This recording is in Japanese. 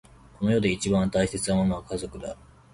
この世で一番大切なものは家族だ。